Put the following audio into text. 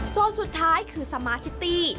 สุดท้ายคือสมาชิตี้